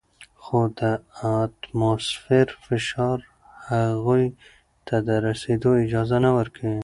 خو د اتموسفیر فشار هغوی ته د رسیدو اجازه نه ورکوي.